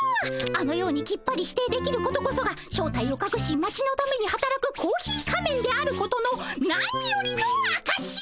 あのようにきっぱり否定できることこそが正体をかくし町のためにはたらくコーヒー仮面であることの何よりのあかし！